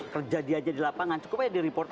kerja dia aja di lapangan cukup aja di report